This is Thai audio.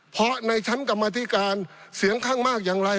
เพราะในชั้นกรรมธิการเสียงข้างมากอย่างไร